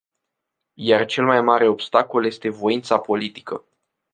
Iar cel mai mare obstacol este voința politică.